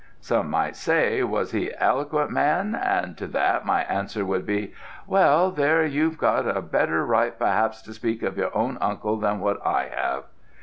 Some might say, 'Was he a eloquent man?' and to that my answer would be: 'Well, there you've a better right per'aps to speak of your own uncle than what I have.'